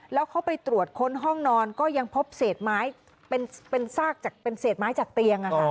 แล้วเขาไปตรวจค้นห้องนอนก็ยังพบเศษไม้เป็นเศษไม้จากเตียง